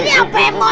ini apa emok